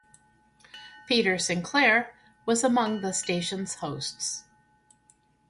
Peter Sinclair was among the station's hosts.